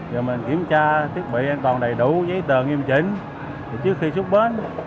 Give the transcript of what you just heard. rồi mình kiểm tra thiết bị an toàn đầy đủ giấy tờ nghiêm chỉnh trước khi xuất bến